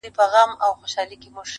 په کوم مخ به د خالق مخ ته درېږم؟؛